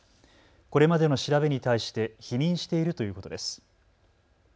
これまでの調べに対して否認しているということです。